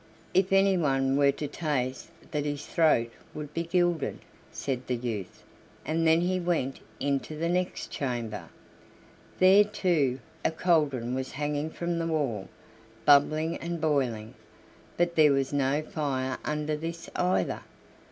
If anyone were to taste that his throat would be gilded," said the youth, and then he went into the next chamber. There, too, a cauldron was hanging from the wall, bubbling and boiling, but there was no fire under this either.